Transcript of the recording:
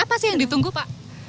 apa sih yang ditunggu pak